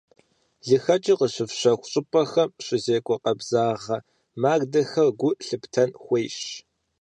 ЛыхэкӀыр къыщыфщэху щӀыпӀэхэм щызекӀуэ къабзагъэ мардэхэм гу лъыфтэн хуейщ.